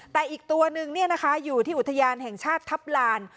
แต่อีกตัวหนึ่งเนี้ยนะคะอยู่ที่อุทยานแห่งชาติทัพลาน